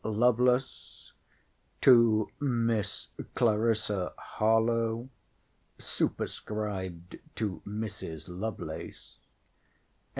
LOVELACE, TO MISS CLARISSA HARLOWE [SUPERSCRIBED TO MRS. LOVELACE.